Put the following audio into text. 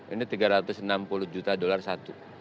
ini tiga ratus enam puluh juta dolar satu